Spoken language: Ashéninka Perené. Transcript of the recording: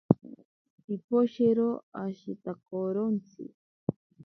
Piposhero ashitakorontsi.